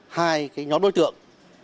hai cái nhóm đối tượng